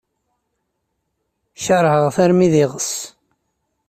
Keṛheɣ-t armi d iɣes.